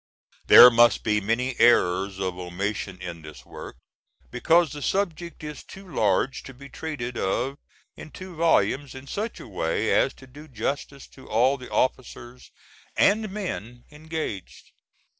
There must be many errors of omission in this work, because the subject is too large to be treated of in two volumes in such way as to do justice to all the officers and men engaged.